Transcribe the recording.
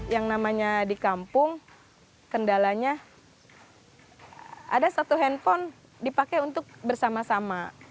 yang namanya di kampung kendalanya ada satu handphone dipakai untuk bersama sama